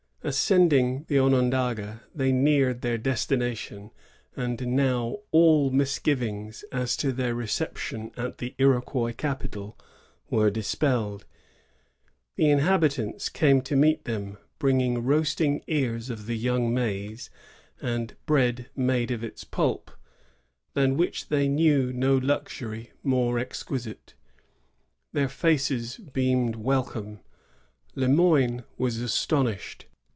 Ascending the Onondaga, they neared their destination; and now all misgivings as to their reception at the Iroquois capital were dis pelled. The inhabitants came to meet them, bring ing roasting ears of the young maize and bread made of its pulp, than which they knew no luxury more TOL. I. — 6 66 THE JESUITS AT OKONDAGA. [lG5i. exquisite. Their faces beamed welcome. Le Moyne was astonished.